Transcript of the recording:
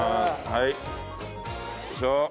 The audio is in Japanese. はい。